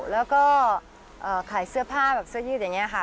แล้วก็ขายเสื้อผ้าแบบเสื้อยืดอย่างนี้ค่ะ